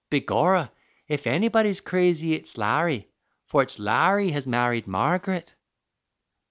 "Begorra, if anybody's crazy, it's Larry, for it's Larry has married Margaret."